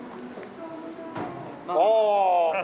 ああ。